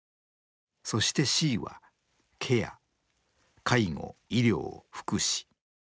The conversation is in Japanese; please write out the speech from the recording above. そして「Ｃ」はケア介護・医療・福祉。